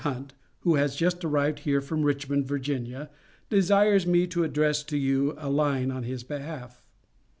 Hunt, who has just arrived here from Richmond, Va., desires me to address to you a line in his behalf.